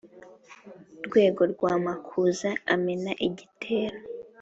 Rwego rw'amakuza amena igitero,